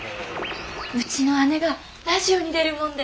うちの姉がラジオに出るもんで。